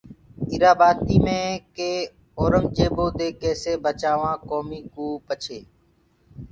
ايٚرآ ٻآتيٚ مي ڪي اورنٚگجيبو دي ڪيسي بچآوآنٚ ڪوميٚ ڪو پڇي